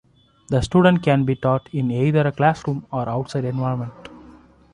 The student can be taught in either a classroom or outside environment.